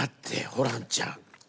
ホランちゃん。